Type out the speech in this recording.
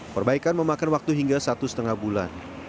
perbaikan memakan waktu hingga satu lima bulan